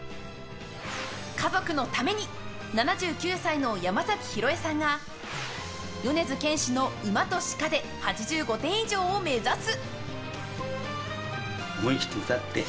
家族のために７９歳の山崎宏枝さんが米津玄師の「馬と鹿」で８５点以上を目指す！